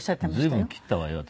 随分切ったわよ私。